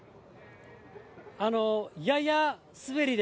やや滑りで。